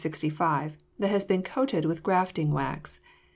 65) that has been coated with grafting wax.